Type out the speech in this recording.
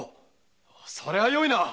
それはよいな。